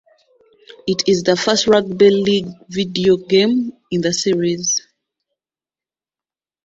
It is the first rugby league video game in the series.